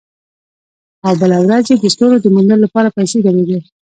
او بله ورځ یې د ستورو د موندلو لپاره پیسې درلودې